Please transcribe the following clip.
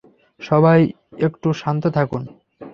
সবাই একটু শান্ত থাকুন!